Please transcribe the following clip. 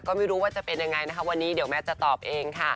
ก็ไม่รู้ว่าจะเป็นอย่างไรวันนี้แมทจะตอบเอง